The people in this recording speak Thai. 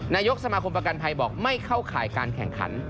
นายกสมาคมประกันภัยบอกไม่เข้าข่ายการแข่งขัน